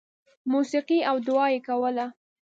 • موسیقي او دعا یې کوله.